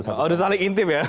sudah saling intip ya